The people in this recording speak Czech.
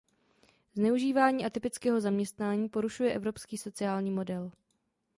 Zneužívání atypického zaměstnání porušuje evropský sociální model.